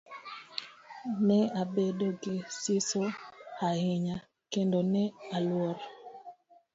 Ne abedo gi siso ahinya kendo ne aluor.